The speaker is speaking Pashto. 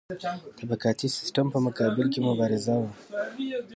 طبقاتي سیستم په مقابل کې مبارزه وه.